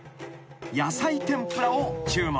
［野菜天ぷらを注文］